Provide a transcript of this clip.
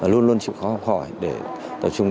luôn luôn chịu khó học hỏi để tập trung